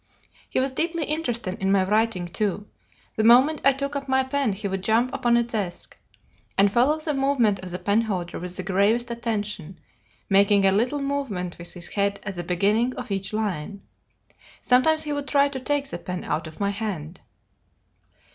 He was deeply interested in my writing, too; the moment I took up my pen he would jump upon the desk, and follow the movement of the penholder with the gravest attention, making a little movement with his head at the beginning of each line. Sometimes he would try to take the pen out of my hand.